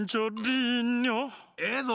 ええぞ！